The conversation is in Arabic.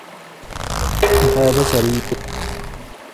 هذا سرير.